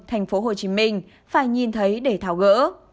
tp hcm phải nhìn thấy để tháo gỡ